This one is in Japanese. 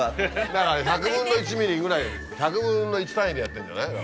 だから１００分の１ｍｍぐらい１００分の１単位でやってんじゃない？